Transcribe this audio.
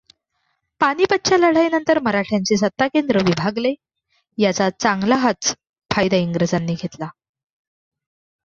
पानिपतच्या लढाईनंतर मराठ्यांचे सत्ताकेंद्र विभागले याचा चांगलाहच फायदा इंग्रजांनी घेतला.